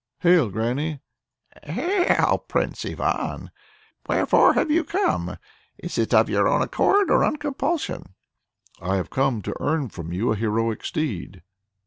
"Hail, granny!" "Hail, Prince Ivan! wherefore have you come? Is it of your own accord, or on compulsion?" "I have come to earn from you a heroic steed."